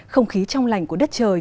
không khí trong lành của đất trời